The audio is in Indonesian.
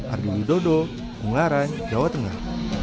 ardi widodo ungaran jawa tengah